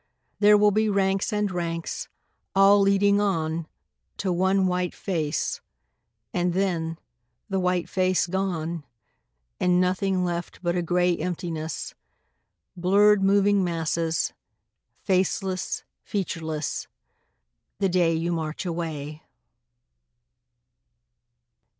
There will be ranks and ranks, all leading on To one white face, and then the white face gone, And nothing left but a gray emptiness Blurred moving masses, faceless, featureless The day you march away.